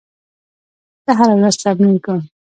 زه هره ورځ تمرین کوم.